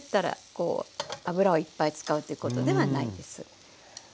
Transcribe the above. こう油をいっぱい使うということではないです。